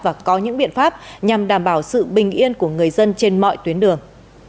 và có những biện pháp nhằm đảm bảo sự bình yên của người dân trên mọi tuyến đường